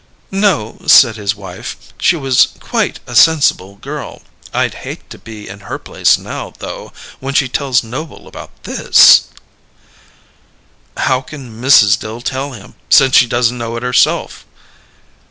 "No," said his wife. "She was quite a sensible girl. I'd hate to be in her place now, though, when she tells Noble about this." "How can Mrs. Dill tell him, since she doesn't know it herself?"